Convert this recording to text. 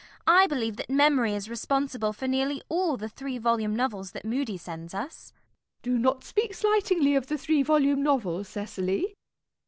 I believe that Memory is responsible for nearly all the three volume novels that Mudie sends us. MISS PRISM. Do not speak slightingly of the three volume novel, Cecily.